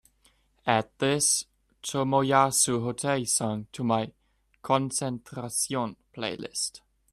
Add this tomoyasu hotei song to my concentración playlist